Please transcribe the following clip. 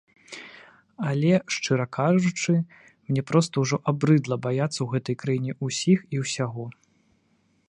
Але, шчыра кажучы, мне проста ўжо абрыдла баяцца ў гэтай краіне ўсіх і ўсяго.